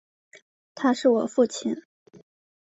他是我父亲